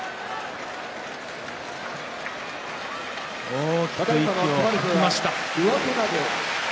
大きく息を吐きました。